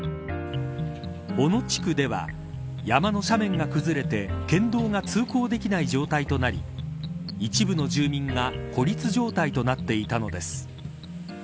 小野地区では山の斜面が崩れて県道が通行できない状態となり一部の住民が孤立状態となっていたのです。